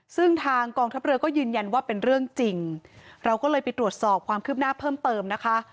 ซึ่งทางกองทัพเรือก็ยืนยันว่าเป็นเรื่องจริงเราก็เลยไปตรวจสอบความคืบหน้าเพิ่มเติมนะคะ